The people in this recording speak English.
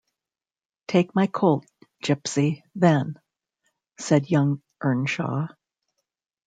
‘Take my colt, Gipsy, then!’ said young Earnshaw.